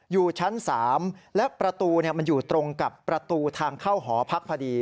อยู่ชั้น๓และประตูมันอยู่ตรงกับประตูทางเข้าหอพักพอดี